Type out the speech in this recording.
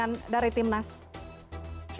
apakah ini kemudian berpengaruh dengan gaya pemain